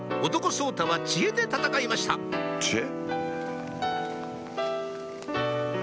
颯太は知恵で戦いました知恵？